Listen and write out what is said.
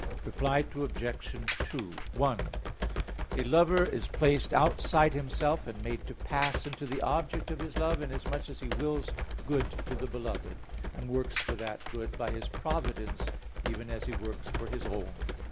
Reply Obj. 1: A lover is placed outside himself, and made to pass into the object of his love, inasmuch as he wills good to the beloved; and works for that good by his providence even as he works for his own.